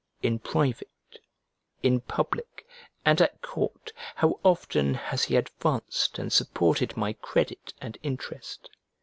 In private, in public, and at court, how often has he advanced and supported my credit and interest!